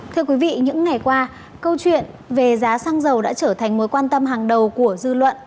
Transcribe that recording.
thưa quý vị những ngày qua câu chuyện về giá xăng dầu đã trở thành mối quan tâm hàng đầu của dư luận